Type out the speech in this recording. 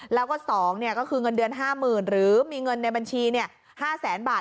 แล้วก็๒ก็คือเงินเดือน๕๐๐๐หรือมีเงินในบัญชี๕แสนบาท